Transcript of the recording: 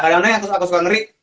kadang kadang aku suka ngeri